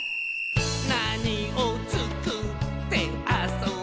「なにをつくってあそぼかな」